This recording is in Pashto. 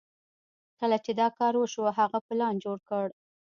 کله چې دا کار وشو هغه پلان جوړ کړ.